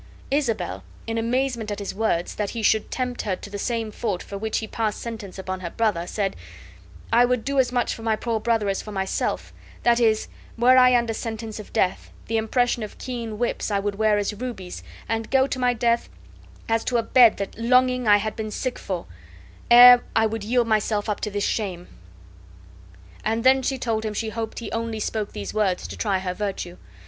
Isabel, in amazement at his words, that he should tempt her to the same fault for which he passed sentence upon her brother, said, "I would do as much for my poor brother as for myself; that is, were I under sentence of death, the impression of keen whips I would wear as rubies, and go to my death as to a bed that longing I had been sick for, ere I would yield myself up to this shame." And then she told him she hoped he only spoke these words to try her virtue.